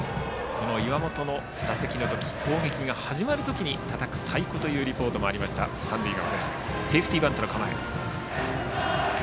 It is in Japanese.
この岩本の打席の時攻撃が始まる時にたたく太鼓というリポートがあった三塁側のアルプスです。